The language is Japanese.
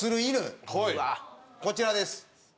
こちらです。